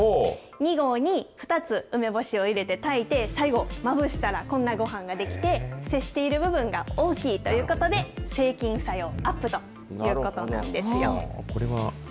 ２合に２つ、梅干しを入れて炊いて、最後、まぶしたら、こんなごはんが出来て、接している部分が大きいということで、制菌作用アップということなんですよ。